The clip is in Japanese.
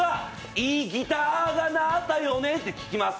いいギターが鳴ったよねって聞きます。